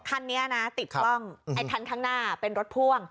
คันนี้นะติดกล้องไอ้คันข้างหน้าเป็นรถพ่วง